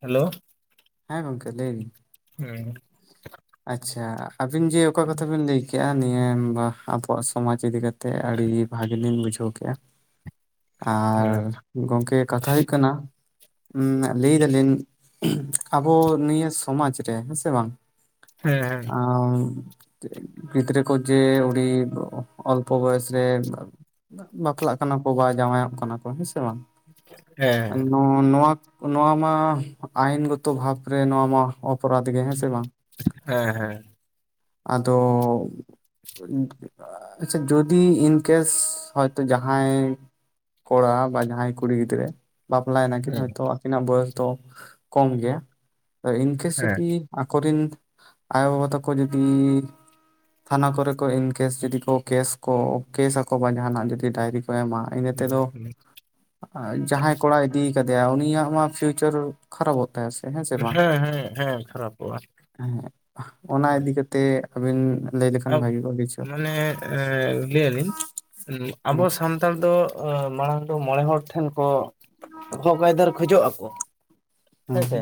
Hello ᱦᱮᱸ ᱜᱚᱝᱠᱮ ᱞᱟᱹᱭ ᱵᱤᱱ ᱦᱮᱸ ᱟᱪᱪᱷᱟ ᱟᱹᱵᱤᱱ ᱡᱮ ᱚᱠᱟ ᱠᱟᱛᱷᱟ ᱵᱤᱱ ᱞᱟᱹᱭ ᱠᱮᱫ ᱠᱮᱫᱼᱟ ᱱᱤᱭᱟᱹ ᱟᱵᱚᱣᱟᱜ ᱥᱚᱢᱟᱡᱽ ᱤᱫᱤ ᱠᱟᱛᱮᱫ ᱟᱹᱰᱤ ᱵᱷᱟᱹᱜ ᱞᱤᱧ ᱵᱩᱡᱷᱟᱹᱣ ᱠᱮᱫᱼᱟ ᱟᱨ ᱜᱚᱝᱠᱮ ᱠᱟᱛᱷᱟ ᱦᱩᱭᱩᱜ ᱠᱟᱱᱟ ᱞᱟᱹᱭ ᱫᱟᱞᱤᱧ ᱟᱵᱚ ᱱᱤᱭᱟᱹ ᱥᱚᱢᱟᱡ ᱨᱮ ᱦᱮᱸ ᱥᱮ ᱵᱟᱝ ᱜᱤᱫᱽᱨᱟᱹ ᱠᱚ ᱡᱮ ᱩᱰᱤ ᱚᱞᱯᱚ ᱵᱚᱭᱚᱥ ᱨᱮ ᱵᱟᱯᱞᱟᱜ ᱠᱟᱱᱟ ᱠᱚ ᱵᱟ ᱡᱟᱶᱟᱭᱚᱜ ᱠᱟᱱᱟ ᱠᱚ ᱦᱮᱸ ᱥᱮ ᱵᱟᱝ ᱦᱮᱸ ᱱᱚᱣᱟ ᱱᱚᱣᱟ ᱢᱟ ᱟᱭᱤᱱ ᱜᱚᱛᱚ ᱵᱷᱟᱵ ᱨᱮ ᱱᱚᱣᱟ ᱢᱟ ᱚᱯᱚᱨᱟᱫ ᱜᱮ ᱦᱮᱸ ᱥᱮ ᱵᱟᱝ ᱦᱮᱸ ᱦᱮᱸ ᱟᱫᱚ ᱟᱪᱪᱷᱟ ᱡᱩᱫᱤ ᱤᱱᱠᱮᱥ ᱦᱚᱭᱛᱚ ᱡᱟᱦᱟᱸᱭ ᱠᱚᱲᱟ ᱵᱟ ᱡᱟᱦᱟᱸᱭ ᱠᱩᱲᱤ ᱜᱤᱫᱽᱨᱟᱹ ᱵᱟᱯᱞᱟᱭᱱᱟ ᱠᱤᱱ ᱦᱚᱭᱛᱚ ᱟᱹᱠᱤᱱᱟᱜ ᱵᱚᱭᱮᱥ ᱫᱚ ᱠᱚᱢ ᱜᱮᱭᱟ ᱤᱱᱠᱮᱥ ᱦᱮᱸ ᱡᱩᱫᱤ ᱟᱠᱚᱨᱮᱱ ᱟᱭᱳᱵᱟᱵᱟ ᱛᱟᱠᱚ ᱡᱚᱫᱤ ᱛᱷᱟᱱᱟ ᱠᱚᱨᱮ ᱠᱚ ᱤᱱ ᱠᱮᱥ ᱡᱩᱫᱤ ᱠᱚ ᱠᱮᱥ ᱠᱚ ᱠᱮᱥ ᱟᱠᱚ ᱵᱟ ᱡᱟᱦᱟᱱᱟᱜ ᱡᱩᱫᱤ ᱰᱟᱭᱨᱤ ᱠᱚ ᱮᱢᱟ ᱤᱱᱟᱹ ᱛᱮᱫᱚ ᱡᱟᱦᱟᱸᱭ ᱠᱚᱲ ᱼᱼᱭᱟ ᱩᱱᱤ ᱯᱷᱤᱭᱩᱪᱟᱨ ᱠᱷᱟᱨᱟᱯᱚ ᱛᱟᱭᱟ ᱦᱮᱸ ᱥᱮ ᱵᱟᱝ ᱦᱮᱸ ᱦᱮᱸ ᱠᱷᱟᱨᱟᱯᱚᱜᱼᱟ ᱚᱱᱟ ᱦᱮᱸ᱾ ᱤᱫᱤ ᱠᱟᱛᱮ ᱟᱵᱤᱱ ᱞᱟᱹᱭ ᱞᱮᱠᱷᱟᱱ ᱵᱷᱟᱜᱤ ᱠᱚᱜ ᱠᱤᱪᱷᱩ ᱢᱟᱱᱮ ᱞᱟᱹᱭ ᱟᱹᱞᱤᱧ ᱟᱵᱚ ᱦᱩᱸ ᱥᱟᱱᱛᱟᱲ ᱫᱚ ᱢᱟᱲᱟᱝ ᱫᱚ ᱢᱚᱬᱮ ᱦᱚᱲ ᱴᱷᱮᱱ ᱠᱚ ᱦᱚᱜᱽ ᱟᱭᱫᱟᱹᱨ ᱠᱷᱚᱡᱚᱜ ᱟᱠᱚ ᱦᱩᱸ ᱦᱮᱸᱥᱮ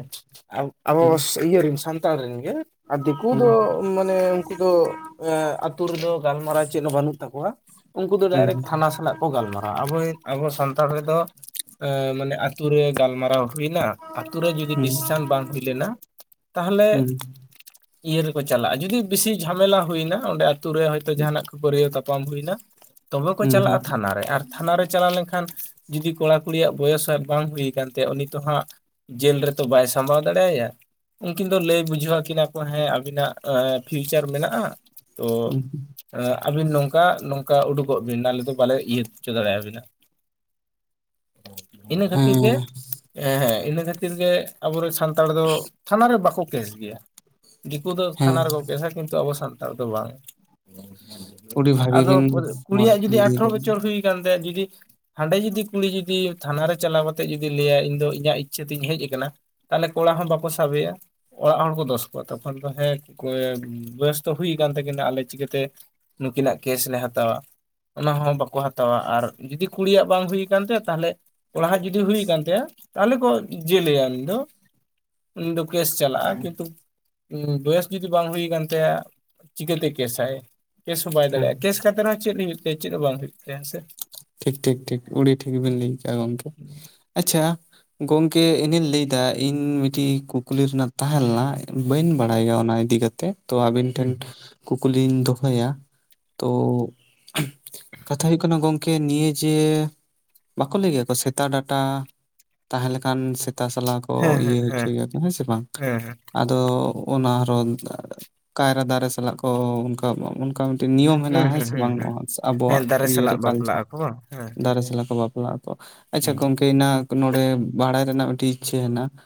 ᱟᱵᱚ ᱦᱩᱸ ᱤᱭᱟᱹ ᱨᱮᱱ ᱥᱟᱱᱛᱟᱲ ᱨᱮᱱ ᱜᱮ ᱟᱨ ᱫᱤᱠᱩ ᱫᱚ ᱢᱟᱱᱮ ᱩᱱᱠᱩ ᱫᱚ ᱟᱛᱩ ᱨᱮᱫᱚ ᱜᱟᱞᱢᱟᱨᱟᱣ ᱪᱮᱫ ᱦᱚᱸ ᱵᱟᱹᱱᱩᱜ ᱛᱟᱠᱚᱣᱟ ᱩᱱᱠᱩ ᱫᱚ ᱦᱩᱸ ᱰᱟᱭᱨᱮᱴ ᱛᱷᱟᱱᱟ ᱚᱱᱟ ᱥᱟᱞᱟᱜ ᱠᱚ ᱜᱟᱞᱢᱟᱨᱟᱣᱟ ᱟᱵᱚᱭ ᱟᱵᱚ ᱥᱟᱱᱛᱟᱲ ᱨᱮᱫᱚ ᱢᱟᱱᱮ ᱟᱛᱩ ᱨᱮ ᱜᱟᱞᱢᱟᱨᱟᱣ ᱦᱩᱭᱱᱟ ᱟᱛᱳ ᱨᱮ ᱡᱩᱫᱤ ᱦᱩᱸ ᱦᱩᱸ ᱰᱤᱥᱤᱥᱮᱱ ᱵᱟᱝ ᱦᱩᱭ ᱞᱮᱱᱟ ᱛᱟᱦᱚᱞᱮ ᱦᱩᱸ ᱤᱭᱟᱹ ᱨᱮᱠᱚ ᱪᱟᱞᱟᱜᱼᱟ ᱡᱩᱫᱤ ᱵᱮᱥᱤ ᱡᱷᱟᱢᱮᱞᱟ ᱦᱩᱭᱱᱟ ᱚᱸᱰᱮ ᱟᱛᱳ ᱨᱮ ᱦᱚᱭᱛᱳ ᱡᱟᱦᱟᱱᱟᱜ ᱠᱷᱟᱯᱟᱹᱨᱤᱭᱟᱹᱟᱹ ᱛᱟᱯᱟᱢ ᱦᱩᱭᱱᱟ ᱛᱚᱵᱮ ᱠᱚ ᱦᱩᱸ ᱪᱟᱞᱟᱜᱼᱟ ᱦᱩᱸ ᱛᱷᱟᱱᱟ ᱨᱮ ᱟᱨ ᱛᱷᱟᱱᱟ ᱨᱮ ᱪᱟᱞᱟᱣ ᱞᱮᱱᱠᱷᱟᱱ ᱡᱩᱫᱤ ᱠᱚᱲᱟ ᱠᱩᱲᱤᱭᱟᱜ ᱵᱚᱭᱚᱥ ᱵᱟᱝ ᱦᱩᱭ ᱟᱠᱟᱱ ᱛᱟᱭᱟ ᱩᱱᱤ ᱛᱚ ᱦᱟᱸᱜ ᱡᱮᱞ ᱨᱮᱫᱚ ᱵᱟᱭ ᱥᱟᱢᱵᱟᱣ ᱫᱟᱲᱮ ᱟᱭᱟ ᱩᱱᱠᱤᱱ ᱫᱚ ᱞᱟᱹᱭ ᱵᱩᱡᱷᱟᱹᱣ ᱟᱹᱠᱤᱱᱟ ᱠᱚ ᱦᱮᱸ ᱟᱹᱵᱤᱱᱟᱜ ᱯᱷᱤᱭᱩᱪᱟᱨ ᱢᱮᱱᱟᱜᱼᱟ ᱛᱳ ᱦᱩᱸ, ᱟᱹᱵᱤᱱ ᱱᱚᱝᱠᱟ ᱱᱚᱝᱠᱟ ᱩᱰᱩᱠᱚᱜ ᱵᱤᱱ ᱟᱞᱮ ᱫᱚ ᱵᱟᱞᱮ ᱤᱭᱟᱹ ᱦᱚᱪᱚ ᱫᱟᱲᱮᱭᱟᱵᱤᱱᱟ ᱤᱱᱟᱹ ᱠᱷᱟᱹᱛᱤᱨ ᱜᱮ ᱦᱮᱸ ᱦᱮᱸ ᱦᱮᱸ ᱤᱱᱟᱹ ᱠᱷᱟᱹᱛᱤᱨ ᱜᱮ ᱟᱵᱚᱨᱮᱱ ᱥᱟᱱᱛᱟᱲ ᱱᱛᱟᱲ ᱫᱚ ᱛᱷᱟᱱᱟ ᱨᱮ ᱵᱟᱠᱚ ᱠᱮᱥ ᱜᱮᱭᱟ ᱫᱤᱠᱩ ᱫᱚ ᱦᱮᱸ ᱛᱷᱟᱱᱟ ᱨᱮᱠᱚ ᱠᱮᱥᱟ ᱠᱤᱱᱛᱩ ᱟᱵᱚ ᱥᱟᱱᱛᱟᱲ ᱫᱚ ᱵᱟᱝ ᱟᱹᱰᱤ ᱵᱷᱟᱜᱤ ᱟᱫᱚ ᱵᱤᱱ ᱵᱚᱞᱮ ᱢᱚᱸᱡᱽ ᱠᱩᱲᱤᱭᱟᱜ ᱡᱩᱫᱤ ᱵᱤᱱ ᱞᱟᱹᱭ ᱟᱴᱷᱨᱚ ᱠᱮᱫ ᱜᱮᱭᱟ᱾ ᱵᱚᱪᱷᱚᱨ ᱦᱩᱭ ᱟᱠᱟᱱ ᱛᱟᱭᱟ ᱡᱩᱫᱤ ᱦᱟᱸᱰᱮ ᱡᱩᱫᱤ ᱠᱩᱞᱤ ᱡᱩᱫᱤ ᱛᱷᱟᱱᱟ ᱨᱮ ᱪᱟᱞᱟᱣ ᱠᱟᱛᱮᱫ ᱡᱩᱫᱤ ᱞᱟᱹᱭᱟ ᱤᱧ ᱫᱚ ᱤᱧᱟᱹᱜ ᱤᱪᱪᱷᱟᱹ ᱛᱤᱧ ᱦᱮᱡ ᱟᱠᱟᱱᱟ ᱛᱟᱦᱚᱞᱮ ᱠᱚᱲᱲᱟ ᱦᱚᱸ ᱵᱟᱠᱚ ᱥᱟᱵᱮᱭᱟ ᱚᱲᱟᱜ ᱦᱚᱲ ᱠᱚ ᱫᱚᱥ ᱠᱚᱣᱟ ᱛᱚᱠᱷᱚᱱ ᱫᱚ ᱦᱮᱸ ᱵᱮᱥ ᱛᱚ ᱦᱩᱭ ᱟᱠᱟᱱ ᱛᱟᱹᱠᱤᱱᱟ ᱟᱞᱮ ᱪᱤᱠᱟᱹᱛᱮ ᱱᱩᱠᱤᱱᱟᱜ ᱠᱮᱥ ᱞᱮ ᱦᱟᱛᱟᱣᱟ ᱚᱱᱟ ᱦᱚᱸ ᱵᱟᱠᱚ ᱦᱟᱛᱟᱣᱟ ᱟᱨ ᱡᱩᱫᱤ ᱠᱩᱲᱤᱭᱟᱜ ᱵᱟᱝ ᱦᱩᱭ ᱟᱠᱟᱱ ᱛᱟᱭᱚ ᱛᱟᱦᱚᱞᱮ ᱠᱚᱲᱟᱦᱟᱜ ᱡᱩᱫᱤ ᱦᱩᱭ ᱟᱠᱟᱱ ᱛᱟᱭᱟ ᱛᱟᱦᱚᱞᱮ ᱠᱚ ᱡᱮᱞᱮᱭᱟ ᱩᱱᱤ ᱫᱚ ᱩᱱᱤ ᱫᱚ ᱠᱮᱥ ᱪᱟᱞᱟᱜᱼᱟ ᱠᱤᱱᱛᱩ ᱵᱚᱭᱮᱥ ᱡᱩᱫᱤ ᱵᱟᱝ ᱦᱩᱭ ᱟᱠᱟᱱ ᱛᱟᱭᱟ ᱪᱤᱠᱟᱹᱛᱮ ᱠᱮᱥᱟᱭ ᱠᱮᱥ ᱦᱚᱸ ᱵᱟᱭ ᱦᱮᱸ ᱫᱟᱲᱮᱭᱟᱜᱼᱟ ᱠᱮᱥ ᱠᱟᱛᱮ ᱨᱮᱦᱚᱸ ᱪᱮᱫ ᱦᱩᱭᱩᱜ ᱛᱟᱭᱟ ᱪᱮᱫ ᱦᱚᱸ ᱵᱟᱝ ᱦᱩᱭᱩᱜ ᱛᱟᱭᱟ ᱦᱮᱸᱥᱮ ᱴᱷᱤᱠ ᱴᱷᱤᱠ ᱴᱷᱤᱠ ᱩᱲᱤ ᱴᱷᱤᱠ ᱵᱤᱱ ᱞᱟᱹᱭ ᱠᱮᱜᱼᱟ ᱜᱚᱢᱠᱮ᱾ ᱟᱪᱪᱷᱟ ᱜᱚᱝᱠᱮ, ᱤᱧᱤᱧ ᱞᱟᱹᱭ ᱮᱫᱟ ᱤᱧ ᱢᱤᱫᱴᱤᱡ ᱠᱩᱠᱞᱤ ᱨᱮᱱᱟᱜ ᱛᱟᱦᱮᱸ ᱞᱮᱱᱟ᱾ ᱵᱟᱹᱧ ᱦᱮᱸ ᱵᱟᱲᱟᱭᱟ ᱚᱱᱟ ᱤᱫᱤ ᱠᱟᱛᱮ, ᱛᱚ ᱟᱵᱤᱱ ᱴᱷᱮᱱ ᱠᱩᱠᱞᱤᱧ ᱫᱚᱦᱚᱭᱟ᱾ ᱛᱚ ᱠᱟᱛᱷᱟ ᱦᱩᱭᱩᱜ ᱠᱟᱱᱟ ᱜᱚᱝ ᱠᱮ ᱱᱤᱭᱟᱹ ᱡᱮ ᱵᱟᱠᱚ ᱞᱟᱹᱭᱼᱟ ᱠᱚ ᱥᱮᱛᱟ ᱰᱟᱴᱟ ᱛᱟᱦᱮᱸ ᱞᱮᱠᱟᱱ ᱠᱚ ᱛᱟ ᱥᱟᱞᱟᱜ ᱠᱚ ᱦᱮᱸ ᱦᱮᱸ ᱤᱭᱟᱹ ᱦᱮᱸ ᱦᱮᱸ ᱦᱚᱪᱚᱭ ᱮᱭᱟᱠᱚ ᱦᱮᱸ ᱥᱮ ᱵᱟᱝ᱾ ᱦᱮᱸ ᱟᱫᱚ ᱚᱱᱟ ᱟᱨᱦᱚᱸ ᱠᱟᱭᱨᱟ ᱫᱟᱨᱮ ᱥᱟᱞᱟᱜ ᱠᱚ ᱚᱱᱠᱟ ᱠᱚᱣᱟ ᱚᱱᱠᱟ ᱢᱤᱫᱴᱟᱹᱝ ᱱᱤᱭᱚᱢ ᱢᱮᱱᱟᱜᱼᱟ᱾ ᱦᱮᱸ ᱥᱮ ᱵᱟᱝ, ᱰᱚᱣᱟ ᱦᱮᱸ ᱟᱵᱚᱣᱟᱜ ᱫᱟᱨᱮ ᱤᱭᱟᱹᱨᱮ ᱥᱟᱞᱟᱜ ᱠᱟᱞᱪᱟ [unintelligible] ᱦᱮᱸ ᱫᱟᱨᱮ ᱥᱟᱞᱟᱜ ᱠᱚ ᱵᱟᱯᱞᱟᱜ ᱟᱠᱚ᱾ ᱟᱪᱪᱷᱟ ᱦᱮᱸ ᱜᱚᱢᱠᱮ ᱤᱱᱟᱜ ᱱᱚᱰᱮ ᱵᱟᱲᱟᱭ ᱨᱮᱱᱟᱜ ᱢᱤᱫᱴᱤᱡ ᱤᱪᱪᱷᱟᱹ ᱦᱮᱱᱟᱜ-ᱟ᱾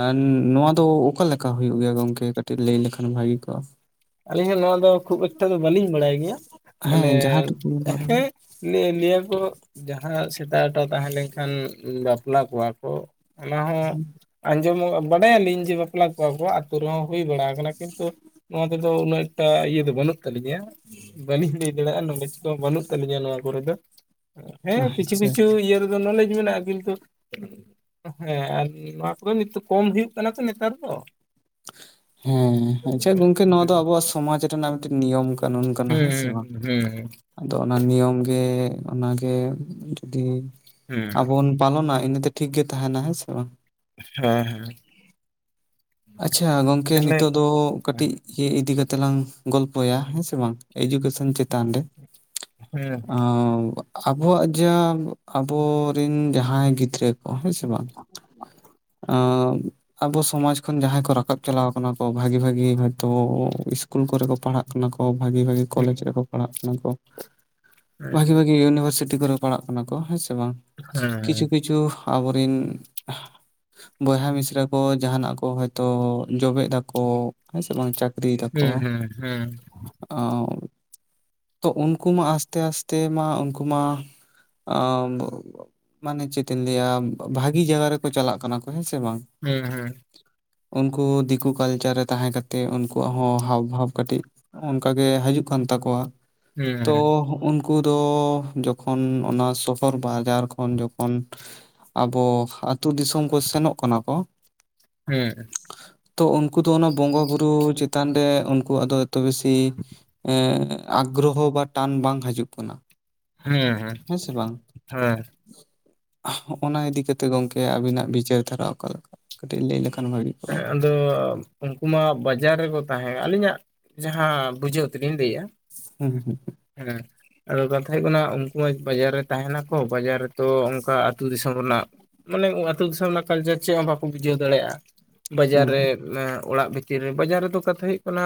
ᱟᱨ ᱱᱚᱣᱟ ᱫᱚ ᱚᱠᱟ ᱞᱮᱠᱟ ᱦᱩᱭᱩᱜ ᱜᱮᱭᱟ ᱜᱚᱝᱠᱮ ᱠᱟᱹᱴᱤᱡ ᱞᱟᱹᱭ ᱞᱮᱠᱷᱟᱱ ᱵᱷᱟᱜᱤ ᱠᱚᱜᱼᱟ᱾ ᱟᱹᱞᱤᱧ ᱦᱚᱸ ᱱᱚᱣᱟ ᱫᱚ ᱠᱷᱩᱵᱽ ᱮᱠᱴᱟ ᱫᱚ ᱵᱟᱹᱞᱤᱧ ᱵᱟᱲᱟᱭ ᱜᱮᱭᱟ ᱢᱟᱱᱮ, ᱦᱮᱸ ᱡᱟᱦᱟᱸ ᱴᱩᱠᱩ ᱵᱟᱲᱟᱭ ᱦᱮᱸ ᱦᱩᱭᱩᱜ ᱱᱮ ᱱᱤᱭᱟᱹ ᱠᱚ ᱡᱟᱦᱟᱸ ᱥᱮᱛᱟ ᱰᱟᱴᱟ ᱛᱟᱦᱮᱸ ᱞᱮᱱᱠᱷᱟᱱ ᱵᱟᱯᱞᱟ ᱠᱚᱣᱟ ᱠᱚ᱾ ᱚᱱᱟ ᱦᱚᱸ ᱟᱸᱡᱚᱢᱚᱜ ᱵᱟᱰᱟᱭᱟᱞᱤᱧ ᱡᱮ ᱵᱟᱯᱞᱟ ᱠᱚᱣᱟ ᱠᱚ, ᱟᱹᱛᱩ ᱨᱮᱦᱚᱸ ᱦᱩᱭ ᱵᱟᱲᱟ ᱟᱠᱟᱱᱟ ᱠᱤᱱᱛᱩ ᱟᱫᱚ ᱩᱱᱟᱹᱜ ᱮᱴᱟᱜ ᱤᱭᱟᱹ ᱫᱚ ᱵᱟᱹᱱᱩᱜ ᱛᱟᱹᱞᱤᱧᱟ, ᱵᱟᱹᱞᱤ ᱞᱟᱹᱭ ᱫᱟᱲᱮᱭᱟᱜᱼᱟ᱾ ᱱᱳᱞᱮᱡ ᱠᱚᱦᱚᱸ ᱵᱟᱹᱱᱩᱜ ᱛᱟᱹᱞᱤᱧᱟ ᱱᱚᱣᱟ ᱠᱚᱨᱮ ᱫᱚ᱾ ᱦᱮᱸ ᱠᱤᱪᱷᱩ ᱟᱪᱪᱷᱟ ᱠᱤᱪᱷᱩ ᱟᱪᱪᱷᱟ ᱤᱭᱟᱹ ᱨᱮᱫᱚ ᱱᱳᱞᱮᱡᱽ ᱢᱮᱱᱟᱜᱼᱟ ᱠᱤᱱᱛᱩ ᱦᱮᱸ ᱟᱨ ᱱᱚᱣᱟ ᱠᱚᱫᱚ ᱱᱤᱛᱚᱜ ᱠᱚᱢ ᱦᱩᱭᱩᱜ ᱠᱟᱱᱟ ᱛᱚ ᱱᱮᱛᱟᱨ ᱫᱚ᱾ ᱦᱮᱸ ᱟᱪᱪᱷᱟ ᱜᱚᱝ ᱠᱮ ᱱᱚᱣᱟ ᱦᱩᱸ ᱫᱚ ᱟᱵᱚᱣᱟᱜ ᱥᱚᱢᱟᱡᱽ ᱨᱮᱱᱟᱜ ᱢᱤᱫᱴᱤᱡ ᱱᱤᱭᱚᱢ ᱠᱟᱹᱱᱩᱱ ᱠᱟᱱᱟ, ᱦᱮᱸ ᱥᱮ ᱦᱩᱸ ᱵᱟᱝ᱾ ᱦᱩᱸ ᱟᱫᱚ ᱚᱱᱟ ᱱᱤᱭᱚᱢᱜᱮ ᱚᱱᱟᱜᱮ ᱡᱩᱫᱤ ᱦᱩᱸ ᱟᱵᱚᱱ ᱯᱟᱞᱚᱱᱟ ᱤᱱᱟᱹ ᱛᱮ ᱴᱷᱤᱠ ᱜᱮ ᱛᱟᱦᱮᱸᱱᱟ, ᱦᱮᱸ ᱥᱮ ᱵᱟᱝ᱾ ᱦᱮᱸ ᱦᱮᱸ᱾ ᱠᱮ ᱛᱟᱦᱞᱮ ᱱᱤᱛᱚᱜ ᱫᱚ ᱠᱟᱹᱴᱤᱡ ᱤᱭᱟᱹ ᱤᱫᱤ ᱠᱟᱛᱮ ᱞᱟᱝ ᱜᱚᱞᱯᱚᱭᱟ ᱦᱮᱸ ᱥᱮ ᱵᱟᱝ᱾ ᱮᱡᱩᱠᱮᱥᱚ ᱚᱱ ᱪᱮᱛᱟᱱ ᱨᱮ᱾ ᱟᱫᱚ ᱟᱸ ᱟᱵᱚᱣᱟᱜ ᱡᱟᱹᱵᱽ ᱟᱵᱚᱨᱤᱱ ᱡᱟᱦᱟᱸᱭ ᱜᱤᱫᱽᱨᱟᱹ ᱠᱚ ᱦᱮᱸ ᱥᱮ ᱵᱟᱝ᱾ ᱟᱺ ᱟᱵᱚ ᱥᱚᱢᱟᱡ ᱠᱷᱚᱱ ᱡᱟᱦᱟᱸᱭ ᱠᱚ ᱨᱟᱠᱟᱵ ᱪᱟᱞᱟᱣ ᱟᱠᱟᱱᱟ ᱠᱚ᱾ ᱵᱷᱟᱜᱤ ᱵᱷᱟᱜᱤ ᱦᱚᱭᱛᱳ ᱤᱥᱠᱩᱞ ᱠᱚᱨᱮ ᱠᱚ ᱯᱟᱲᱦᱟᱜ ᱠᱟᱱᱟ ᱠᱚ, ᱵᱷᱟᱜᱤ ᱵᱷᱟᱜᱤ ᱠᱚᱞᱮᱡᱽ ᱨᱮᱠᱚ ᱯᱟᱲᱦᱟᱜ ᱠᱟᱱᱟ ᱠᱚ᱾ ᱵᱷᱟᱜᱤ ᱵᱷᱟᱜᱤ ᱭᱩᱱᱤᱣᱟᱨᱥᱤᱴᱤ ᱠᱚᱨᱮ ᱯᱟᱲᱦᱟᱜ ᱠᱟᱱᱟ ᱠᱚ ᱦᱮᱸ ᱥᱮ ᱵᱟᱝ ᱾ ᱠᱤᱪᱷᱩ ᱠᱤᱪᱷᱩ ᱟᱵᱚᱨᱤᱱ ᱵᱚᱭᱦᱟ ᱢᱤᱥᱮᱨᱟ ᱠᱚ ᱡᱟᱦᱟᱱᱟᱜ ᱠᱚ ᱦᱚᱭᱛᱚ ᱡᱚᱵᱮᱫᱟᱠᱚ ᱦᱮᱸ ᱥᱮ ᱵᱟᱝ ᱪᱟᱹᱠᱨᱤᱭ ᱫᱟᱠᱚ ᱛᱚ ᱩᱱᱠᱩ ᱢᱟ ᱟᱥᱛᱮ ᱟᱥᱛᱮ ᱢᱟ ᱩᱱᱠᱩ ᱢᱟ ᱟᱺ ᱢᱟᱱᱮ ᱪᱮᱫ ᱤᱧ ᱞᱟᱹᱭᱟ, ᱵᱷᱟᱜᱤ ᱡᱟᱜᱟ ᱨᱮᱠᱚ ᱪᱟᱞᱟᱜ ᱠᱟᱱᱟ ᱠᱚ ᱦᱮᱸ ᱥᱮ ᱵᱟᱝ᱾ ᱦᱮᱸ ᱦᱮᱸ᱾ ᱠᱩ ᱫᱤᱠᱩ ᱠᱟᱞᱪᱟᱨ ᱨᱮ ᱛᱟᱦᱮᱸ ᱠᱟᱛᱮᱫ ᱩᱱᱠᱩᱣᱟᱜ ᱦᱚᱸ ᱦᱟᱣ ᱵᱷᱟᱣ ᱠᱟᱹᱴᱤᱡ ᱚᱱᱠᱟ ᱜᱮ ᱦᱟᱹᱡᱩᱜ ᱠᱟᱱ ᱛᱟᱠᱚᱣᱟ᱾ ᱛᱚ ᱩᱱᱠᱩ ᱫᱚ ᱡᱚᱠᱷᱚᱱ ᱚᱱᱟ ᱥᱚᱦᱚᱨ ᱵᱟ ᱵᱟᱡᱟᱨ ᱠᱷᱚᱱ ᱡᱚᱠᱷᱚᱱ ᱟᱵᱚ ᱟᱹᱛᱩ ᱫᱤᱥᱚᱢ ᱠᱚ ᱥᱮᱱᱚᱜ ᱠᱟᱱᱟ ᱠᱚ ᱦᱩᱸ ᱛᱚ ᱩᱱᱠᱩ ᱫᱚ ᱚᱱᱟ ᱵᱚᱸᱜᱟ ᱵᱩᱨᱩ ᱪᱮᱛᱟᱱ ᱨᱮ ᱩᱱᱠᱩᱣᱟᱜ ᱫᱚ ᱮᱛᱚ ᱵᱮᱥᱤ ᱮᱸ ᱟᱜᱽᱨᱚᱦᱚ ᱵᱟ ᱴᱟᱱ ᱵᱟᱝ ᱦᱟᱹᱡᱩᱜ ᱠᱟᱱᱟ᱾ [inaudible] ᱦᱮᱸ ᱥᱮ ᱵᱟᱝ [inaudible] ᱦᱚᱸᱜ ᱚᱱᱟ ᱤᱫᱤ ᱠᱟᱛᱮᱫ ᱜᱚᱝᱠᱮ ᱟᱹᱵᱤᱱᱟᱜ ᱵᱤᱪᱟᱹᱨ ᱫᱷᱟᱨᱟᱣ ᱠᱟᱜ ᱠᱟ ᱠᱟᱹᱴᱤᱡ ᱞᱟᱹᱭ ᱞᱮᱠᱷᱟᱱ ᱵᱷᱟᱹᱜᱤ ᱠᱚᱜᱼᱟ᱾ ᱦᱮᱸ ᱟᱫᱚ ᱩᱱᱠᱩ ᱢᱟ ᱵᱟᱡᱟᱨ ᱨᱮᱠᱚ ᱛᱟᱦᱮᱸ᱾ ᱟᱹᱞᱤᱧᱟᱜ ᱡᱟᱦᱟᱸ ᱵᱩᱡᱷᱟᱹᱣᱜ ᱛᱮᱞᱤᱧ ᱞᱟᱹᱭᱮᱜᱼᱟ᱾ [unintelligible] ᱦᱩᱸ ᱦᱩᱸ ᱦᱩᱸ᱾ ᱦᱮᱸ᱾ ᱟᱫᱚ ᱠᱟᱛᱷᱟ ᱦᱩᱭᱩᱜ ᱠᱟᱱᱟ, ᱩᱱᱠᱩ ᱢᱟ ᱵᱟᱡᱟᱨ ᱨᱮ ᱛᱟᱦᱮᱱᱟᱠᱚ ᱵᱟᱡᱟᱨ ᱨᱮᱛᱚ ᱚᱱᱠᱟ ᱟᱹᱛᱩ ᱫᱤᱥᱚᱢ ᱨᱮᱱᱟᱜ᱾ ᱢᱟᱱᱮ ᱟᱹ ᱟᱹᱛᱩ ᱫᱤᱥᱚᱢ ᱨᱮᱱᱟᱜ ᱠᱟᱹᱞᱪᱟᱹᱨ ᱪᱮᱫ ᱦᱚᱸ ᱵᱟᱠᱚ ᱵᱩᱡᱷᱟᱹᱣ ᱫᱟᱲᱮᱭᱟᱜᱼᱟ᱾ ᱵᱟᱡᱟᱨ ᱦᱩᱸ ᱨᱮ ᱟᱺ ᱚᱲᱟᱜ ᱵᱷᱤᱛᱤᱨ ᱨᱮ ᱵᱟᱡᱟᱨ ᱨᱮᱫᱚ ᱠᱟᱛᱷᱟ ᱦᱩᱭᱩᱜ ᱠᱟᱱᱟ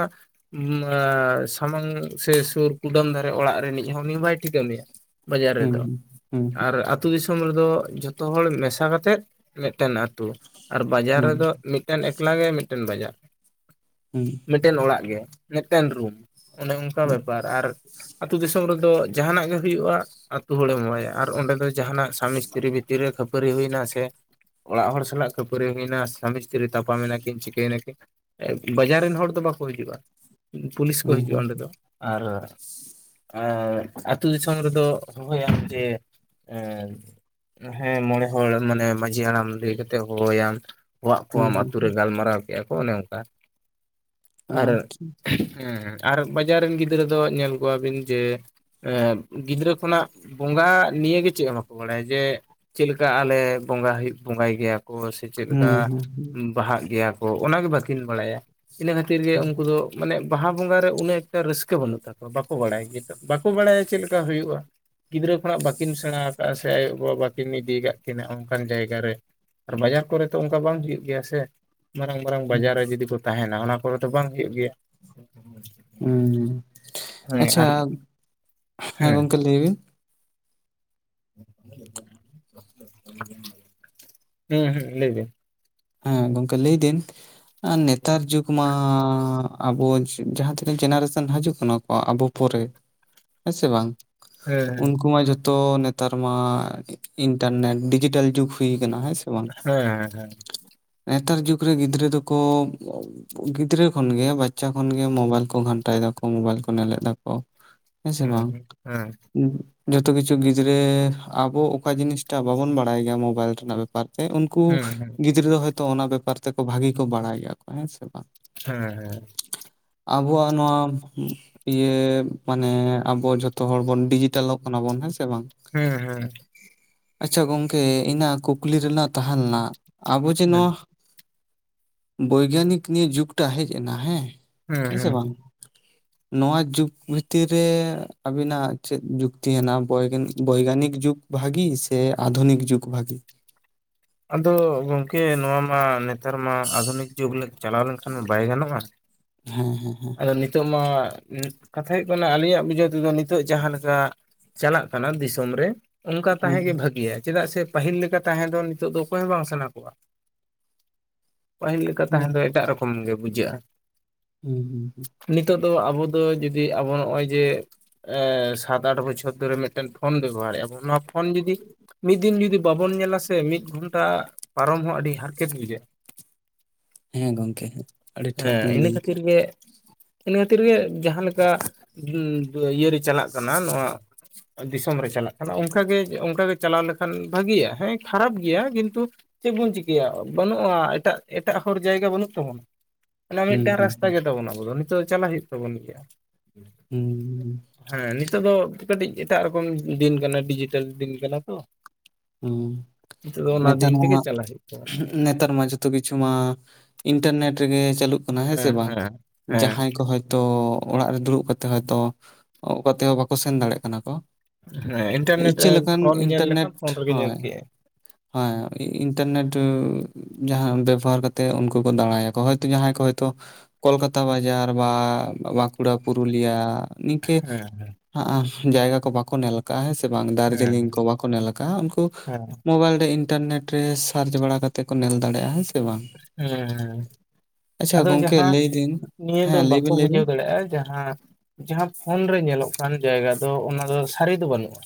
ᱥᱟᱢᱟᱝ ᱥᱮ ᱥᱩᱨ ᱠᱩᱰᱟᱹᱢ ᱫᱷᱟᱨᱮ ᱚᱲᱟᱜ ᱨᱤᱱᱤᱡ ᱦᱚᱸ ᱩᱱᱤ ᱦᱚᱸ ᱵᱟᱭ ᱴᱷᱤᱠᱟᱹ ᱢᱮᱭᱟ ᱵᱟᱡᱟᱨ ᱦᱩᱸ ᱨᱮᱫᱚ ᱦᱩᱸ ᱟᱨ ᱟᱛ ᱟᱛᱩ ᱫᱤᱥᱚᱢ ᱨᱮᱫᱚ ᱡᱚᱛᱚ ᱦᱚᱲ ᱢᱮᱥᱟ ᱠᱟᱛᱮᱫ ᱢᱤᱫᱴᱮᱱ ᱟᱛᱩ ᱟᱨ ᱵᱟᱡᱟᱨ ᱦᱩᱸ ᱨᱮᱫᱚ ᱢᱤᱫᱴᱮᱱ ᱮᱠᱞᱟ ᱜᱮ ᱢᱤᱫᱴᱮᱱ ᱵᱟᱡᱟᱨ ᱦᱮᱸ ᱢᱤᱫᱴᱮᱱ ᱚᱲᱟᱜ ᱜᱮ ᱢᱤᱫᱴᱮᱱ ᱨᱩᱢ ᱚᱱᱮ ᱚᱱᱠᱟ ᱵᱮᱯᱟᱨ ᱟᱨ ᱟᱹᱛᱩ ᱫᱤᱥᱚᱢ ᱨᱮᱫᱚ ᱡᱟᱦᱟᱱᱟᱜ ᱜᱮ ᱦᱩᱭᱩᱜᱼᱟ ᱟᱹᱛᱩ ᱦᱚᱲᱮᱢ ᱦᱟᱦᱚ ᱟᱭᱟ ᱟᱨ ᱚᱸᱰᱮ ᱫᱚ ᱡᱟᱦᱟᱱᱟᱜ ᱥᱟᱢᱤᱥᱛᱤᱨᱤ ᱵᱷᱤᱛᱤᱨ ᱨᱮ ᱠᱷᱟᱹᱯᱟᱹᱨᱤ ᱦᱩᱭᱱᱟ ᱥᱮ ᱚᱲᱟᱜ ᱦᱚᱲ ᱥᱟᱞᱟᱜ ᱠᱷᱟᱹᱯᱟᱹᱨᱤ ᱦᱩᱭᱱᱟ ᱥᱟᱢᱤᱥᱛᱨᱤ ᱵᱷᱤᱛᱤᱨ ᱨᱮ ᱛᱟᱯᱟᱢ ᱮᱱᱟ ᱠᱤᱱ ᱪᱤᱠᱟᱹᱭᱮᱱᱟᱠᱤᱱ ᱵᱟᱡᱟᱨ ᱨᱤᱱ ᱦᱚᱲ ᱫᱚ ᱵᱟᱠᱚ ᱦᱤᱡᱩᱜᱼᱟ ᱯᱩᱞᱤᱥ ᱠᱚ ᱦᱩᱸ ᱦᱤᱡᱩᱜᱼᱟ ᱚᱸᱰᱮ ᱫᱚ ᱟᱨ ᱟᱨ ᱟᱹᱛᱩ ᱫᱤᱥᱚᱢ ᱨᱮᱫᱚ ᱦᱚᱦᱚᱭᱟᱢ ᱡᱮ ᱮᱸ ᱦᱮᱸ ᱢᱚᱬᱮ ᱦᱚᱲ ᱢᱟᱱᱮ ᱢᱟᱹᱡᱷᱤ ᱦᱟᱲᱟᱢ ᱞᱟᱹᱭ ᱠᱟᱛᱮᱫ ᱦᱚᱦᱚᱭᱟᱢ ᱦᱚᱣᱟᱜ ᱟᱠᱚᱣᱟᱢ ᱦᱩᱸ ᱟᱹᱛᱩ ᱨᱮ ᱜᱟᱞᱢᱟᱨᱟᱣ ᱠᱮᱜᱼᱟ ᱠᱚ ᱚᱱᱮ ᱚᱱᱠᱟ ᱟᱨ ᱟᱨ ᱵᱟᱡᱟᱨ ᱨᱤᱱ ᱜᱤᱫᱽᱨᱟᱹ ᱫᱚ ᱧᱮᱞ ᱠᱚᱣᱟᱵᱤᱱ ᱡᱮ ᱮ ᱜᱤᱫᱽᱨᱟᱹ ᱠᱷᱚᱱᱟᱜ ᱵᱚᱸᱜᱟ ᱱᱤᱭᱟᱹ ᱜᱮ ᱪᱮᱫ ᱦᱚᱸ ᱵᱟᱠᱚ ᱵᱟᱲᱟᱭᱟ ᱡᱮ ᱪᱮᱫ ᱞᱮᱠᱟ ᱟᱞᱮ ᱵᱚᱸᱜᱟ ᱦᱩᱭᱩᱜ ᱵᱚᱸᱜᱟᱭ ᱜᱮᱭᱟ ᱠᱚ ᱥᱮ ᱥᱮ ᱪᱮᱫ ᱞᱮᱠᱟ ᱦᱩᱸ ᱦᱩᱸ ᱵᱟᱦᱟᱜ ᱜᱮᱭᱟ ᱠᱚ ᱚᱱᱟᱜᱮ ᱵᱟᱹᱠᱤᱱ ᱵᱟᱲᱟᱭᱟ ᱤᱱᱟᱹ ᱠᱷᱟᱹᱛᱤᱨ ᱜᱮ ᱩᱱᱠᱩ ᱫᱚ ᱢᱟᱱᱮ ᱵᱟᱦᱟ ᱵᱚᱸᱜᱟ ᱨᱮ ᱩᱱᱟᱹᱜ ᱮᱠᱴᱟ ᱨᱟᱹᱥᱠᱟᱹ ᱵᱟᱹᱱᱩᱜ ᱛᱟᱠᱚᱣᱟ ᱵᱟᱠᱚ ᱵᱟᱲᱟᱭᱟ ᱵᱟᱠᱚ ᱵᱟᱲᱟᱭᱟ ᱪᱮᱫ ᱞᱮᱠᱟ ᱦᱩᱭᱩᱜᱼᱟ ᱜᱤᱫᱽᱨᱟᱹ ᱠᱷᱚᱱᱟᱜ ᱵᱟᱹᱠᱤᱱ ᱥᱮᱬᱟ ᱟᱠᱟᱫᱼᱟ ᱥᱮ ᱟᱭᱳᱼᱵᱟᱵᱟ ᱵᱟᱠᱤᱱ ᱤᱫᱤ ᱠᱟᱫ ᱠᱤᱱᱟ ᱚᱱᱠᱟᱱ ᱡᱟᱭᱜᱟ ᱨᱮ ᱟᱨ ᱵᱟᱡᱟᱨ ᱠᱚᱨᱮ ᱛᱚ ᱚᱱᱠᱟ ᱵᱟᱝ ᱦᱩᱭᱩᱜᱼᱟ ᱜᱮᱭᱟ ᱥᱮ ᱢᱟᱨᱟᱝ ᱢᱟᱨᱟᱝ ᱵᱟᱡᱟᱨ ᱨᱮ ᱡᱩᱫᱤ ᱠᱚ ᱛᱟᱦᱮᱱᱟ ᱚᱱᱟ ᱠᱚᱨᱮ ᱫᱚ ᱵᱟᱝ ᱦᱩᱭᱩᱜ ᱜᱮᱭᱟ ᱦᱩᱸ ᱦᱮᱸ ᱟᱪᱪᱷᱟ ᱟᱨ ᱦᱮᱸ ᱜᱚᱝᱠᱮ ᱞᱟᱹᱭ ᱵᱤᱱ ᱦᱩᱸ ᱦᱩᱸ ᱞᱟᱹᱭ ᱵᱤᱱ ᱦᱮᱸ ᱜᱚᱝᱠᱮ ᱞᱟᱹᱭ ᱫᱤᱱ ᱱᱮᱛᱟᱨ ᱡᱩᱜᱽ ᱢᱟ ᱟᱵᱚ ᱡᱟᱦᱟᱸ ᱛᱤᱱᱟᱹᱜ ᱡᱮᱱᱟᱨᱮᱥᱟᱱ ᱦᱤᱡᱩᱜ ᱠᱟᱱᱟ ᱠᱚ ᱟᱵᱚ ᱯᱚᱨᱮ ᱦᱮᱸ ᱥᱮ ᱵᱟᱝ ᱦᱮᱸ ᱩᱱᱠᱩ ᱢᱟ ᱡᱷᱚᱛᱚ ᱱᱮᱛᱟᱨ ᱢᱟ ᱤᱱᱴᱟᱨᱱᱮᱴ ᱰᱤᱡᱤᱴᱟᱞ ᱡᱩᱜᱽ ᱦᱩᱭ ᱠᱟᱱᱟ ᱦᱮᱸ ᱥᱮ ᱵᱟᱝ ᱦᱮᱸ ᱦᱮᱸ ᱦᱮᱸ ᱱᱮᱛᱟᱨ ᱡᱩᱜᱽ ᱨᱮ ᱜᱤᱫᱽᱨᱟᱹ ᱫᱚᱠᱚ ᱜᱤᱫᱽᱨᱟᱹ ᱠᱷᱚᱱᱜᱮ ᱵᱟᱪᱪᱟ ᱠᱷᱚᱱᱜᱮ ᱢᱳᱵᱟᱭᱤᱞ ᱠᱚ ᱜᱷᱟᱱᱴᱟᱭ ᱫᱟᱠᱚ ᱢᱳᱵᱟᱭᱤᱞ ᱠᱚ ᱱᱮᱞᱮᱫ ᱫᱟᱠᱚ ᱦᱮᱸ ᱥᱮ ᱵᱟᱝ ᱦᱩᱸ ᱡᱚᱛᱚ ᱠᱤᱪᱷᱩ ᱜᱤᱫᱽᱨᱟᱹ ᱟᱵᱚ ᱚᱠᱟ ᱡᱤᱱᱤᱥᱴᱟ ᱵᱟᱵᱚᱱ ᱵᱟᱲᱟᱭ ᱜᱮᱭᱟ ᱢᱳᱵᱟᱭᱤᱞ ᱨᱮᱱᱟᱜ ᱵᱮᱯᱟᱨ ᱮᱸ ᱩᱱᱠᱩ ᱦᱮᱸ ᱦᱮᱸ ᱦᱮᱸ ᱜᱤᱫᱽᱨᱟᱹ ᱫᱚ ᱦᱚᱭᱛᱳ ᱚᱱᱟ ᱵᱮᱯᱟᱨ ᱛᱮᱠᱚ ᱵᱷᱟᱜᱤ ᱠᱚ ᱵᱟᱲᱟᱭ ᱜᱮᱭᱟ ᱠᱚ ᱦᱮᱸ ᱥᱮ ᱵᱟᱝ ᱦᱮᱸ ᱦᱮᱸ ᱟᱵᱚᱣᱟᱜ ᱱᱚᱣᱟ ᱤᱭᱟᱹ ᱢᱟᱱᱮ ᱟᱵᱚ ᱡᱷᱚᱛᱚ ᱦᱚᱲ ᱵᱚᱱ ᱰᱤᱡᱤᱴᱮᱞᱚᱜ ᱠᱟᱱᱟ ᱵᱚᱱ ᱦᱮᱸᱥᱮ ᱵᱟᱝ ᱦᱮᱸ ᱦᱮᱸ [unintelligible] ᱟᱪᱪᱷᱟ ᱜᱚᱝᱠᱮ ᱤᱧᱟᱹᱜ ᱠᱩᱠᱞᱤ ᱨᱮᱱᱟᱜ ᱛᱟᱦᱮᱸ ᱞᱮᱱᱟ ᱟᱵᱚ ᱡᱮ ᱦᱮᱸ ᱱᱚᱣᱟ ᱵᱳᱭᱜᱟᱱᱤᱠ ᱱᱤᱭᱮ ᱡᱩᱜᱽᱴᱟᱜ ᱦᱮᱡ ᱮᱱᱟ ᱦᱮᱸ ᱦᱮᱸ ᱥᱮ ᱵᱟᱝ ᱱᱚᱣᱟ ᱡᱩᱜᱽ ᱵᱷᱤᱛᱤᱨ ᱨᱮ ᱟᱵᱤᱱᱟᱜ ᱪᱮᱫ ᱡᱩᱠᱛᱤ ᱦᱮᱱᱟᱜ ᱵᱳᱭᱜᱟᱱᱤᱠ ᱡᱩᱜᱽ ᱵᱷᱟᱜᱤ ᱥᱮ ᱟᱫᱷᱩᱱᱤᱠ ᱡᱩᱜᱽ ᱵᱷᱟᱜᱮ ᱟᱫᱚ ᱜᱚᱝᱠᱮ ᱱᱚᱣᱟ ᱢᱟ ᱱᱮᱛᱟᱨ ᱢᱟ ᱟᱫᱷᱩᱱᱤᱠ ᱡᱩᱜᱽ ᱪᱟᱞᱟᱣ ᱞᱮᱱᱠᱷᱟᱱ ᱵᱟᱭ ᱜᱟᱱᱚᱜᱼᱟ ᱦᱮᱸ ᱦᱮᱸ ᱦᱮᱸ ᱟᱫᱚ ᱱᱤᱛᱚᱜ ᱢᱟ ᱠᱟᱛᱷᱟ ᱦᱩᱭᱩᱜ ᱠᱟᱱᱟ ᱟᱹᱞᱤᱧᱟᱜ ᱵᱩᱡᱷᱟᱹᱣ ᱛᱮᱫᱚ ᱱᱤᱛᱚᱜ ᱡᱟᱦᱟᱸ ᱞᱮᱠᱟ ᱪᱟᱞᱟᱜ ᱠᱟᱱᱟ ᱫᱤᱥᱚᱢ ᱨᱮ ᱚᱱᱠᱟ ᱦᱮᱸ ᱦᱮᱸ ᱛᱟᱦᱮᱸᱜ ᱜᱮ ᱵᱷᱟᱹᱜᱤᱭᱟ ᱪᱮᱫᱟᱜ ᱥᱮ ᱯᱟᱹᱦᱤᱞ ᱞᱮᱠᱟ ᱛᱟᱦᱮᱸ ᱫᱚ ᱱᱤᱛᱚᱜ ᱫᱚ ᱚᱠᱚᱭ ᱦᱚᱸ ᱵᱟᱝ ᱥᱟᱱᱟ ᱠᱚᱣᱟ ᱯᱟᱹᱦᱤᱞ ᱞᱮᱠᱟ ᱦᱮᱸ ᱦᱩᱸ ᱛᱟᱦᱮᱱ ᱫᱚ ᱮᱴᱟᱜ ᱨᱚᱠᱚᱢ ᱜᱮ ᱵᱩᱡᱷᱟᱹᱜᱼᱟ᱾ ᱦᱩᱸ ᱦᱩᱸ ᱦᱩᱸ ᱱᱤᱛᱚᱜ ᱫᱚ ᱟᱵᱚ ᱫᱚ ᱡᱩᱫᱤ ᱟᱵᱚ ᱱᱚᱜᱼᱚᱭ ᱡᱮ ᱥᱟᱛ ᱟᱴ ᱵᱚᱪᱷᱚᱨ ᱫᱷᱚᱨᱮ ᱢᱤᱫᱴᱮᱱ ᱯᱷᱳᱱ ᱵᱮᱵᱚᱦᱟᱨᱮᱜᱼᱟ ᱵᱚᱱ ᱱᱚᱣᱟ ᱯᱷᱳᱱ ᱡᱩᱫᱤ ᱢᱤᱫ ᱫᱤᱱ ᱡᱩᱫᱤ ᱵᱟᱵᱚᱱ ᱧᱮᱞᱟ ᱥᱮ ᱢᱤᱫ ᱜᱷᱚᱱᱴᱟ ᱯᱟᱨᱚᱢ ᱦᱚᱸ ᱟᱹᱰᱤ ᱦᱟᱨᱠᱮᱛ ᱵᱩᱡᱟ ᱦᱮᱸ ᱜᱚᱝᱠᱮ ᱦᱮᱸ ᱟᱹᱰᱤ ᱴᱷᱤᱠ ᱦᱮᱸ ᱵᱤᱱ ᱤᱱᱟᱹ ᱞᱟᱹᱭ ᱠᱷᱟᱹᱛᱤᱨ ᱠᱟᱜᱼᱟ ᱜᱮ ᱤᱱᱟᱹ ᱠᱷᱟᱹᱛᱤᱨ ᱜᱮ ᱡᱟᱦᱟᱸᱞᱮᱠᱟ ᱤᱭᱟᱹᱨᱮ ᱪᱟᱞᱟᱜ ᱠᱟᱱᱟ ᱱᱚᱣᱟ ᱫᱤᱥᱚᱢ ᱨᱮ ᱪᱟᱞᱟᱜ ᱠᱟᱱᱟ ᱚᱱᱠᱟᱜᱮ ᱚᱱᱠᱟᱜᱮ ᱪᱟᱞᱟᱣ ᱞᱮᱠᱷᱟᱱ ᱵᱷᱟᱜᱤᱭᱟ ᱦᱮᱸ ᱠᱷᱟᱨᱟᱯ ᱜᱮᱭᱟ ᱠᱤᱱᱛᱩ ᱪᱮᱫ ᱵᱚᱱ ᱪᱤᱠᱟᱹᱭᱟ ᱵᱟᱹᱱᱩᱜᱼᱟ ᱮᱴᱟᱜ ᱮᱴᱟᱜ ᱦᱚᱲᱚᱨ ᱡᱟᱭᱜᱟ ᱵᱟᱹᱱᱩᱜ ᱛᱟᱵᱚᱱᱟ ᱚᱱᱟ ᱦᱩᱸ ᱢᱤᱫᱴᱟᱱ ᱦᱩᱸ ᱨᱟᱥᱛᱟ ᱦᱩᱸ ᱜᱮᱛᱟᱵᱚᱱᱟ ᱟᱵᱚ ᱫᱚ ᱱᱤᱛᱚᱜ ᱪᱟᱞᱟᱜ ᱦᱩᱭᱩᱜ ᱛᱟᱵᱚᱱ ᱜᱮᱭᱟ ᱦᱮᱸ ᱦᱮᱸ ᱱᱤᱛᱚᱜ ᱫᱚ ᱠᱟᱹᱴᱤᱡ ᱮᱴᱟᱜ ᱨᱚᱠᱚᱢ ᱫᱤᱱ ᱠᱟᱱᱟ ᱰᱤᱡᱤᱴᱮᱞ ᱫᱤᱱ ᱠᱟᱱᱟ ᱛᱚ ᱦᱸ ᱱᱤᱛᱚᱜ ᱫᱚ ᱚᱱᱟ ᱱᱮᱛᱟᱨ ᱫᱤᱱ ᱛᱮᱜᱮ ᱢᱟ ᱪᱟᱞᱟᱜ ᱦᱩᱭᱩᱜ ᱛᱟᱵᱚᱱᱟ ᱱᱮᱛᱟᱨ ᱢᱟ ᱡᱚ ᱠᱤᱪᱷᱩ ᱢᱟ ᱤᱱᱴᱟᱨᱱᱮᱴ ᱨᱮᱜᱮ ᱪᱟᱹᱟᱞᱩᱜ ᱠᱟᱱᱟ ᱦᱮᱸ ᱥᱮ ᱵᱟᱝ ᱡᱟᱦᱟᱸᱭ ᱠᱚ ᱛᱚ ᱚᱲᱟᱜ ᱨᱮ ᱫᱩᱲᱩᱵ ᱠᱟᱛᱮ ᱦᱚᱭᱛᱚ ᱚᱠᱟ ᱛᱮᱦᱚᱸ ᱵᱟᱠᱚ ᱥᱮᱱ ᱫᱟᱲᱮᱭᱟᱜ ᱠᱟᱱᱟ ᱠᱚ ᱦᱮᱸ ᱤᱱᱴᱟᱨᱱᱮᱴ ᱤᱪᱪᱷᱟᱹ ᱞᱮᱠᱟᱱ ᱯᱷᱳᱱ ᱧᱮᱞ ᱞᱮᱠᱷᱟᱱ ᱤᱱᱴᱟᱨᱱᱮᱴ ᱯᱷᱳᱱ ᱨᱮᱜᱮ ᱧᱮᱞ ᱦᱳᱭ ᱠᱮᱜᱼᱟᱭ ᱦᱮᱸ ᱤᱱᱴᱟᱨᱱᱮᱴ ᱡᱟᱦᱟᱸ ᱵᱮᱵᱚᱦᱟᱨ ᱠᱟᱛᱮᱮᱫ ᱩᱱᱠᱩ ᱠᱚ ᱫᱟᱬᱟᱭᱟᱠᱚ ᱦᱭᱛᱳ ᱡᱟᱦᱟᱸᱭ ᱠᱚ ᱦᱚᱭᱛᱳ ᱠᱳᱞᱠᱟᱛᱟ ᱵᱟᱡᱟᱨ ᱵᱟ ᱵᱟᱸᱠᱩᱲᱟ ᱯᱩᱨᱩᱞᱤᱭᱟ ᱱᱤᱝᱠᱟᱹ ᱦᱮᱸ ᱡᱟᱭᱜᱟ ᱠᱚ ᱵᱟᱠᱚ ᱧᱮᱞ ᱱᱤᱝᱠᱟᱹ ᱡᱟᱭᱜᱟ ᱵᱟᱠᱚ ᱧᱮᱞ ᱟᱠᱟᱫᱟᱼᱟ ᱦᱮᱸ ᱥᱮ ᱵᱟᱝ ᱦᱮᱸ ᱫᱟᱨᱡᱤᱞᱤᱝ ᱠᱚ ᱵᱟᱠᱚ ᱧᱮᱞ ᱟᱠᱟᱟᱜ ᱩᱱᱠᱩ ᱦᱮᱸ ᱢᱳᱵᱟᱭᱤᱞ ᱨᱮ ᱤᱱᱴᱟᱨᱱᱮᱴ ᱨᱮ ᱥᱟᱨᱪ ᱵᱟᱲᱟ ᱠᱟᱛᱮ ᱠᱚ ᱧᱮᱞ ᱫᱟᱲᱮᱭᱟᱜᱼᱟ ᱦᱮᱸ ᱥᱮ ᱵᱟᱝ ᱦᱩᱸ ᱦᱩᱸ ᱟᱪᱪᱷᱟ ᱟᱫᱚ ᱜᱚᱝᱠᱮ ᱡᱟᱦᱟᱸ ᱞᱟᱹᱭ ᱫᱟᱹᱧ ᱱᱤᱭᱟᱹ ᱫᱚ ᱦᱮᱸ ᱞᱟᱹᱭ ᱵᱟᱠᱚ ᱵᱤᱱ ᱞᱟᱹᱭ ᱵᱩᱡᱷᱟᱹᱣ ᱵᱤᱱ ᱫᱟᱲᱮᱭᱟᱜᱼᱟ ᱡᱟᱦᱟᱸ ᱡᱟᱦᱟᱸ ᱯᱷᱳᱱ ᱨᱮ ᱧᱮᱞᱚᱜ ᱠᱟᱱ ᱡᱟᱭᱜᱟ ᱫᱚ ᱚᱱᱟ ᱫᱚ ᱥᱟᱹᱨᱤ ᱫᱚ ᱵᱟᱹᱱᱩᱜᱼᱟ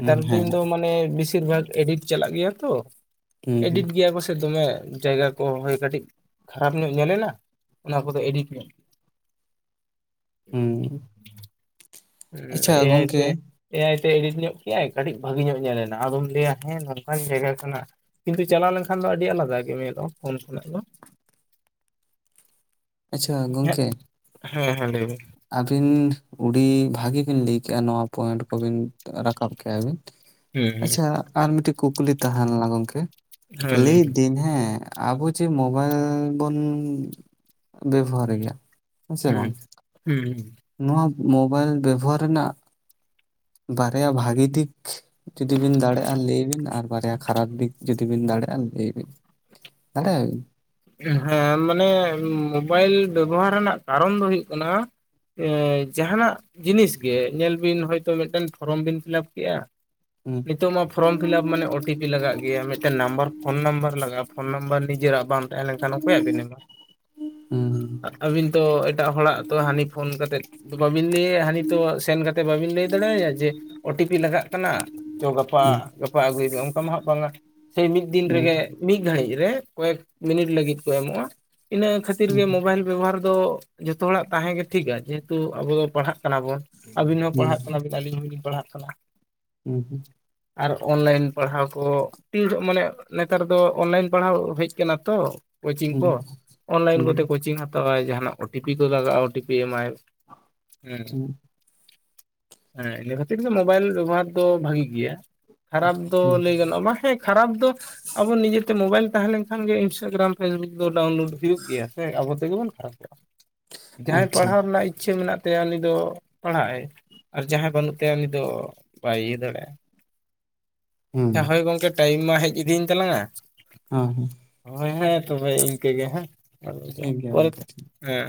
ᱦᱩᱸ ᱫᱤᱱ ᱦᱮᱸ ᱫᱚ ᱢᱟᱱᱮ ᱵᱮᱥᱤᱨ ᱵᱷᱟᱜ ᱮᱰᱤᱴ ᱪᱟᱞᱟᱜ ᱜᱮᱭᱟ ᱛᱚ ᱦᱩᱸ ᱦᱩᱸ ᱮᱰᱤᱴ ᱜᱮᱭᱟ ᱠᱚ ᱥᱮ ᱫᱚᱢᱮ ᱡᱟᱭᱜᱟ ᱠᱚ ᱦᱳᱭ ᱠᱟᱹᱴᱤᱡ ᱠᱷᱟᱨᱟᱯ ᱧᱚᱜ ᱧᱮᱞᱮᱱᱟ ᱚᱱᱟ ᱠᱚᱫᱚ ᱮᱰᱤᱴ ᱧᱚᱜ ᱦᱩᱸ ᱦᱩᱸ ᱟᱪᱪᱷᱟ ᱜᱚᱝᱠᱮ ᱮᱟᱭᱛᱮ ᱮ ᱟᱭᱛᱮ ᱮᱰᱤᱴ ᱧᱚᱜ ᱠᱮᱫᱼᱟᱭ ᱠᱟᱹᱴᱤᱡ ᱵᱷᱟᱹᱜᱤ ᱧᱚᱜ ᱧᱮᱞᱮᱱᱟ ᱟᱫᱚᱢ ᱞᱟᱹᱭᱟ ᱦᱮᱸ ᱱᱚᱝᱠᱟᱱ ᱡᱟᱭᱜᱟ ᱠᱟᱱᱟ ᱠᱤᱱᱛᱩ ᱪᱟᱞᱟᱣ ᱞᱮᱱᱠᱷᱟᱱ ᱫᱚ ᱟᱹᱰᱤ ᱟᱞᱟᱫᱟ ᱜᱮ ᱧᱚᱜᱼᱟ ᱯᱷᱳᱱ ᱠᱷᱚᱱᱟᱜ ᱫᱚ ᱟᱪᱪᱷᱟ ᱦᱮᱸ ᱜᱚᱝᱠᱮ ᱦᱮᱸ ᱦᱟᱸ ᱞᱟᱹᱭ ᱢᱮ ᱟᱹᱵᱤᱱ ᱩᱰᱤ ᱵᱷᱟᱹᱜᱤ ᱵᱤᱱ ᱞᱟᱹᱭ ᱠᱮᱜᱼᱚ ᱱᱚᱣᱟ ᱯᱚᱭᱮᱱᱴ ᱠᱚᱵᱤᱱ ᱨᱟᱠᱟᱵ ᱠᱮᱜ ᱟᱵᱤᱱ ᱦᱩᱸ ᱟᱪᱪᱷᱟ ᱦᱩᱸ ᱟᱨ ᱢᱤᱫᱴᱤᱡ ᱠᱩᱠᱞᱤ ᱛᱟᱦᱮᱸᱞᱮᱱᱟ ᱜᱚᱢᱠᱮ ᱦᱮᱸ ᱞᱟᱹᱭ ᱵᱤᱱ ᱫᱟᱹᱧ ᱦᱮᱸ ᱟᱵᱚ ᱡᱮ ᱢᱳᱵᱟᱭᱤᱞ ᱵᱚᱱ ᱵᱮᱵᱚᱦᱟᱨ ᱮᱭᱟ ᱦᱩᱸ ᱦᱩᱸ ᱦᱩᱸ ᱱᱚᱣᱟ ᱢᱳᱵᱟᱭᱤᱞ ᱵᱮᱵᱚᱦᱟᱨ ᱨᱮᱱᱟᱜ ᱵᱟᱨᱭᱟ ᱵᱷᱟᱜᱤ ᱫᱤᱠ ᱡᱩᱫᱤ ᱵᱤᱱ ᱫᱟᱲᱮᱭᱟᱜᱼᱟ ᱞᱟᱹᱭ ᱵᱤᱱ ᱟᱨ ᱵᱟᱨᱭᱟ ᱠᱷᱟᱨᱟᱯ ᱫᱤᱠ ᱡᱩᱫᱤ ᱵᱤᱱ ᱫᱟᱲᱮᱭᱟᱜᱼᱟ ᱞᱟᱹᱭ ᱵᱤᱱ ᱫᱟᱲᱮᱭᱟᱜᱧ [inaudible] ᱦᱮᱸ ᱢᱟᱱᱮ ᱢᱳᱵᱟᱭᱤᱞ ᱵᱮᱵᱚᱦᱟᱨ ᱨᱮᱱᱟᱜ ᱠᱟᱨᱚᱱ ᱫᱚ ᱦᱩᱭᱩᱜ ᱠᱟᱱᱟ ᱡᱟᱦᱟᱱᱟᱜ ᱡᱤᱱᱤᱥ ᱜᱮ ᱧᱮᱞ ᱵᱤᱱ ᱦᱚᱭᱛᱳ ᱢᱤᱫᱴᱮᱱ ᱯᱷᱚᱨᱚᱢ ᱵᱤᱱ ᱯᱷᱤᱞᱟᱯ ᱠᱮᱫᱮᱜᱼᱟ ᱦᱩᱸ ᱱᱤᱛᱚᱜ ᱢᱟ ᱯᱷᱨᱚᱢ ᱯᱷᱤᱞᱟᱯ ᱢᱟᱱᱮ ᱳ ᱴᱤ ᱯᱤ ᱞᱟᱜᱟᱜ ᱜᱮᱭᱟ ᱢᱤᱫᱴᱮᱱ ᱱᱟᱢᱵᱟᱨ ᱯᱷᱳᱱ ᱱᱟᱢᱵᱟᱨ ᱞᱟᱜᱟᱜᱼᱟ ᱯᱷᱳᱱ ᱱᱟᱢᱵᱟᱨ ᱱᱤᱡᱮᱨᱟᱜ ᱵᱟᱝ ᱦ [unintelligible] ᱞᱮᱱᱠᱷᱟᱱ ᱚᱠᱚᱭᱟᱜ ᱵᱤᱱ ᱮᱢᱟ ᱦᱩᱸ ᱟᱹᱵᱤᱱ ᱛᱚ ᱮᱴᱟᱜ ᱦᱚᱲᱟᱜ ᱛᱚ ᱦᱟᱹᱱᱤ ᱯᱷᱳᱱ ᱠᱟᱛᱮᱫ [unintelligible] ᱵᱤᱞᱤ ᱦᱟᱱᱤ ᱛᱚ ᱥᱮᱱ ᱵᱟᱵᱤᱱ ᱞᱟᱹᱭ ᱫᱟᱲᱮᱭᱟᱭᱟ ᱡᱮ ᱳ ᱴᱤ ᱯᱤ ᱞᱟᱜᱟᱜ ᱠᱟᱱᱟ ᱪᱚ ᱜᱟᱯᱟ ᱯ [unintelligible] ᱟᱹᱜᱩᱭᱮᱫ ᱚᱱᱠᱟ ᱢᱟ ᱦᱟᱜ ᱵᱟᱝᱟ ᱥᱮ ᱢᱤᱫ ᱫᱤᱱ ᱦᱩᱸ ᱨᱮᱜᱮ ᱢᱤᱫ ᱜᱷᱟᱹᱲᱤᱡ ᱨᱮ ᱠᱚᱭᱮᱠ ᱢᱤᱱᱤᱴ ᱞᱟᱹᱜᱤᱫ ᱠᱚ ᱮᱢᱚᱜᱼᱟ ᱤᱱᱟᱹ ᱠᱷᱟᱹᱛᱤᱨ ᱦᱩᱸ ᱜᱮ ᱢᱳᱵᱟᱭᱤᱞ ᱵᱮᱵᱚᱦᱟᱨ ᱫᱚ ᱡᱚᱛᱚ ᱦᱚᱲᱟᱜ ᱛᱟᱦᱮᱸ ᱜᱮ ᱴᱷᱤᱠᱟ ᱡᱮᱦᱮᱛᱩ ᱟᱵᱚ ᱫᱚ ᱯᱟᱲᱦᱟᱜ ᱠᱟᱱᱟ ᱵᱚᱱ ᱟᱵᱤᱱ ᱦᱚᱸ ᱦᱩᱸ ᱦᱩᱸ ᱯᱟᱲᱦᱟᱜ ᱠᱟᱱᱟᱵ ᱟᱹᱞᱤᱧ ᱦᱚᱸᱞᱤᱧ ᱯᱟᱲᱦᱟᱜ ᱠᱟᱱᱟ ᱦᱩᱸ ᱦᱩᱸ ᱟᱨ ᱚᱱᱞᱟᱭᱤᱱ ᱯᱟᱲᱦᱟᱣ ᱠᱚ ᱛ [unintelligible] ᱢᱟᱱᱮ ᱱᱮᱛᱟᱨ ᱫᱚ ᱚᱱᱞᱟᱭᱤᱱ ᱯᱟᱲᱦᱟᱣ ᱦᱮᱡ ᱠᱟᱱᱟ ᱛᱚ ᱠᱳᱪᱤᱝ ᱠᱚ ᱚᱱᱞᱟᱭᱤᱱ ᱦᱩᱸ ᱦᱩᱸ ᱠᱚᱛᱮ ᱠᱳᱪᱤᱝ ᱦᱟ ᱡᱟᱦᱟᱱᱟᱜ ᱳᱴᱤ ᱯᱤ ᱠᱚ ᱞᱟᱜᱟᱜᱼᱟ ᱳᱴᱤ ᱯᱤ ᱮᱢᱟᱭ ᱦᱮᱸ ᱦᱩᱸ ᱦᱮᱸ ᱤᱱᱟᱹ ᱠᱷᱟᱹᱛᱤᱨ ᱢᱳᱵᱟᱭᱤᱞ ᱵᱮᱵᱚᱦᱟᱨ ᱫᱚ ᱵᱷᱟᱹᱜᱤ ᱜᱮᱭᱟ ᱠᱷᱟᱨᱟᱯ ᱫᱚ ᱦᱩᱸ ᱞᱟᱹᱭ ᱜᱟᱱᱚᱜᱼᱟ ᱢᱟ ᱦᱮᱸ ᱠᱷᱟᱨᱟᱯ ᱫᱚ ᱟᱵᱚ ᱱᱤᱡᱮᱛᱮ ᱢᱳᱵᱟᱭᱤᱞ ᱛᱟᱦᱮᱸ ᱞᱮᱱ ᱠᱷᱟᱱ ᱜᱮ ᱤᱱᱥᱴᱟᱜᱨᱟᱢ ᱯᱷᱮᱥᱵᱩᱠ ᱫᱚ ᱰᱟᱣᱩᱱᱞᱳᱰ ᱦᱩᱭᱩᱜ ᱜᱮᱭᱟ ᱥᱮ ᱟᱵᱚ ᱛᱮᱵᱚᱱ ᱠᱷᱟᱨᱟᱯᱚᱜᱼᱟ ᱡᱟᱦᱟᱸᱭ ᱟᱪᱪᱷᱟ ᱯᱟᱲᱦᱟᱣ ᱨᱮᱱᱟᱜ ᱤᱪᱪᱷᱟᱹ ᱢᱮᱱᱟᱜ ᱛᱟᱭᱟ ᱩᱱᱤ ᱫᱚ ᱯᱟᱲᱦᱟᱜᱟᱭ ᱟᱨ ᱡᱟᱦᱟᱸᱭ ᱵᱟᱹᱱᱩᱜ ᱛᱟᱭᱟ ᱩᱱᱤ ᱫᱚ ᱵᱟᱭ ᱤᱭᱟᱹ ᱫᱟᱲᱮᱭᱟᱜᱼᱟ ᱦᱩᱸ ᱦᱳᱭ ᱜᱚᱝᱠᱮ ᱴᱟᱭᱤᱢ ᱢᱟ ᱦᱮᱡ ᱤᱫᱤᱭᱮᱱ ᱛᱟᱞᱟᱝᱟ ᱦᱸ ᱦᱩᱸ ᱦᱳᱭ ᱦᱮᱸ ᱛᱚᱵᱮ ᱤᱱᱠᱟᱹᱜᱮ ᱦᱮᱸ ᱴᱷᱤᱠ ᱜᱮᱭᱟ ᱜᱚᱝᱠᱮ ᱯᱚᱨᱮᱛᱮ ᱴᱷᱤᱠ ᱦᱮᱸ